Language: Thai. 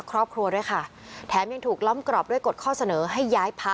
ก็มันยังไม่หมดวันหนึ่ง